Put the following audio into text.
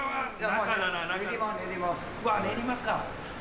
うわ練馬か。